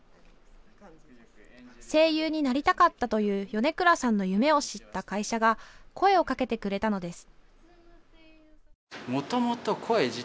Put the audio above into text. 声優になりたかったという米倉さんの夢を知った会社が声をかけてくれたのです。